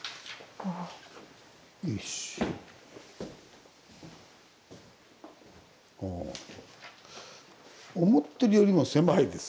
ほう思ってるよりも狭いですね。